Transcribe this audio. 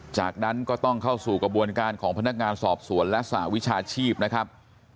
จากนั้นก็ต้องเข้าสู่กระบวนการของพนักงานสอบสวนและสหวิชาชีพนะครับ